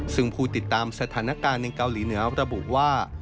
ซึ่งผู้ติดตามสถานการณ์ในเกาหลีเหนือระบุว่า